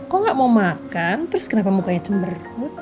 kok gak mau makan terus kenapa mukanya cember